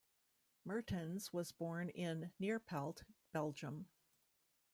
Mertens was born in Neerpelt, Belgium.